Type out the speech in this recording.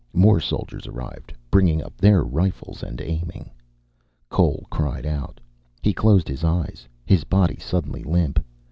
More soldiers arrived, bringing up their rifles and aiming. Cole cried out. He closed his eyes, his body suddenly limp.